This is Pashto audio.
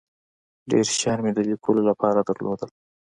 ډیر شیان مې د لیکلو له پاره درلودل.